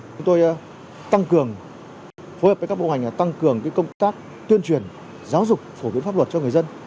chúng tôi tăng cường phối hợp với các bộ hành tăng cường công tác tuyên truyền giáo dục phổ biến pháp luật cho người dân